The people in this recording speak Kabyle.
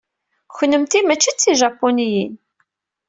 Kennemti mačči d tijapuniyin.